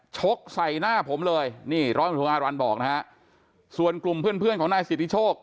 ชกใส่หน้าผมเลยนี่ร้อยมันถูกอารันบอกนะฮะส่วนกลุ่มเพื่อนของนายสิทธิโชค